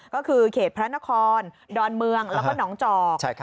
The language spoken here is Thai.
ก็คือเขตพระนครดอนเมืองแล้วก็หนองจอก